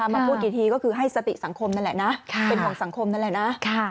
มาพูดกี่ทีก็คือให้สติสังคมนั่นแหละนะเป็นห่วงสังคมนั่นแหละนะ